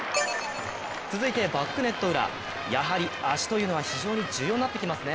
続いてバックネット裏、やはり足というのは非常に重要になってきますね